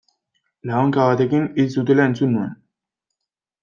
Labankada batekin hil zutela entzun nuen.